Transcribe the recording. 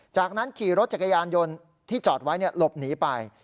จากนั้นขี่รถจักรยานยนต์ที่จอดไว้หลบหนีไป